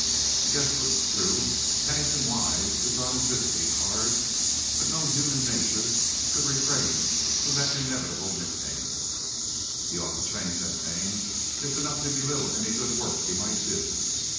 "Yes, but true. Pennington Wise is on his visiting cards, but no human nature could refrain from the inevitable nickname." "He ought to change that name! It's enough to belittle any good work he might do!"